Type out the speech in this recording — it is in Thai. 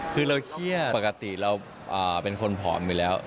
คือเราเครียดปกติเราเป็นคนผอมอยู่แล้ว